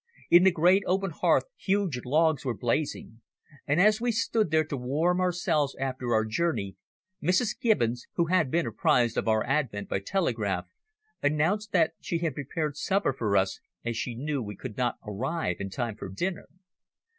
In the great open hearth huge logs were blazing, and as we stood there to warm ourselves after our journey, Mrs. Gibbons, who had been apprised of our advent by telegraph, announced that she had prepared supper for us as she knew we could not arrive in time for dinner.